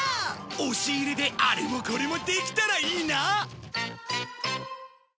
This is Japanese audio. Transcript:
押し入れであれもこれもできたらいいな。